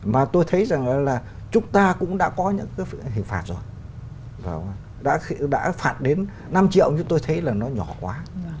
mà tôi thấy rằng là chúng ta cũng đã có những cái hình phạt rồi đã phạt đến năm triệu nhưng tôi thấy là nó nhỏ quá